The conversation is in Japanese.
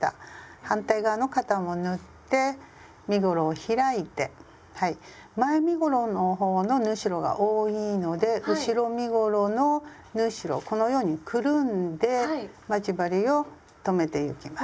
反対側の肩も縫って身ごろを開いて前身ごろの方の縫い代が多いので後ろ身ごろの縫い代をこのようにくるんで待ち針を留めてゆきます。